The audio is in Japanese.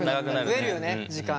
増えるよね時間。